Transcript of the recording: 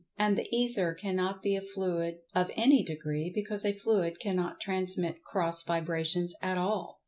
And the Ether cannot be a fluid of any degree, because a fluid cannot transmit cross vibrations at all.